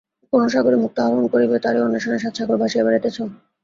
কোন সাগরে মুক্তা আহরণ করিবে তারই আম্বেষণে সাতসাগরে বাসিয়া বেড়াইতেছে?